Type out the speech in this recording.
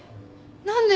何で？